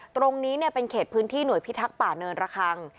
ตรงนี้เป็นเขตพื้นที่หน่วยพิทักษ์ป่าเนินระคัง